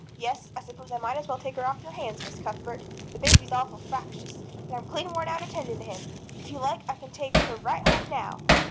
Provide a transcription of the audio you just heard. Yes, I suppose I might as well take her off your hands, Miss Cuthbert. The baby's awful fractious, and I'm clean worn out attending to him. If you like I can take her right home now."